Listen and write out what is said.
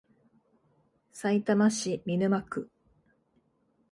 さいたま市見沼区